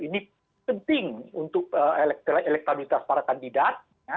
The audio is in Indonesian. ini penting untuk elektabilitas para kandidat